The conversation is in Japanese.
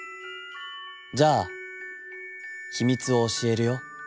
『じゃあ秘密を教えるよ。